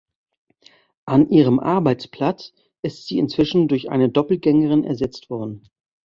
An ihrem Arbeitsplatz ist sie inzwischen durch eine Doppelgängerin ersetzt worden.